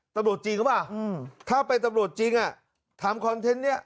ตำรวจจริงหรือเปล่าถ้าเป็นตำรวจจริงอ่ะทำคอนเทนต์นี้